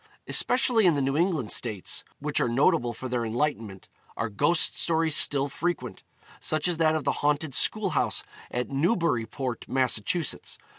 Especially in the New England states, which are notable for their enlightenment, are ghost stories still frequent such as that of the haunted school house at Newburyport, Mass.